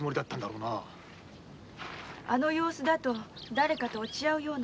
あの様子だとだれかと落ち合うような。